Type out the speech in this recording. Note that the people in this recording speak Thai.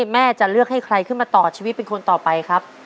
แม่จะเลือกให้ใครขึ้นมาต่อชีวิตเป็นคนต่อไปครับ